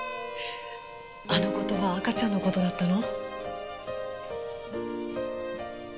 あの言葉赤ちゃんの事だったの？